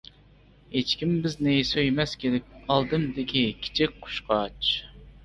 ھېچكىم بىزنى سۆيمەس كېلىپ، ئالدىمدىكى كىچىك قۇشقاچ.